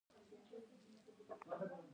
د میاشتنۍ ناروغۍ درد لپاره د رازیانې چای وڅښئ